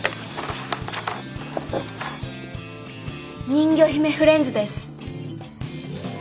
人魚姫フレンズです。